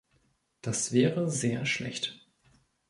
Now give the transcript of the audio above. Das wäre sehr schlecht.